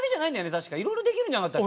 確かいろいろできるんじゃなかったっけ？